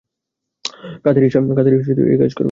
কাদের ঈশ্বর এই কাজ করবে?